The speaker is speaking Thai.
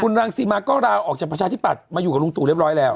รังสิมาก็ลาออกจากประชาธิปัตย์มาอยู่กับลุงตู่เรียบร้อยแล้ว